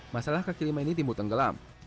masalah kaki lima ini timbul tenggelam